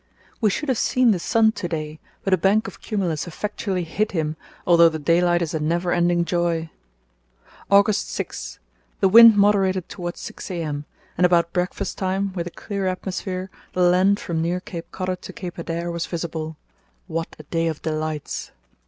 We should have seen the sun to day, but a bank of cumulus effectually hid him, although the daylight is a never ending joy. "August 6.—The wind moderated towards 6 a.m., and about breakfast time, with a clear atmosphere, the land from near Cape Cotter to Cape Adare was visible. What a day of delights!